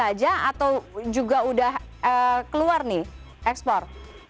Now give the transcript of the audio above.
ya sudah ada permintaan aja atau juga udah keluar nih ekspor